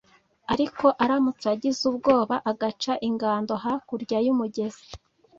ariko aramutse agize ubwoba agaca ingando hakurya y'umugezi